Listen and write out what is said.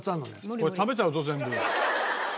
これ食べちゃうぞ全部。